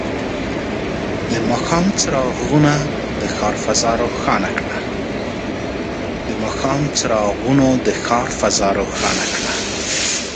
د ماښام څراغونه د ښار فضا روښانه کړه.